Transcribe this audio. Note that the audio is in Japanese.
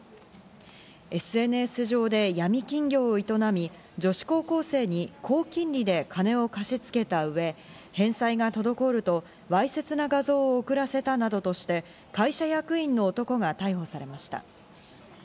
ＳＮＳ上でヤミ金業を営み、女子高校生に高金利で金を貸し付けたうえ、返済が滞ると、わいせつな画像を送らせたなどとして、会社役員の男が逮捕されました。